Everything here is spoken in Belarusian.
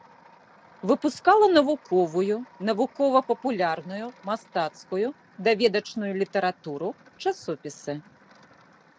Выпускала навуковую, навукова-папулярную, мастацкую, даведачную літаратуру, часопісы.